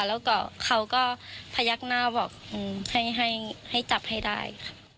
แล้วก็เขาก็พยักหน้าบอกให้จับให้ได้ค่ะ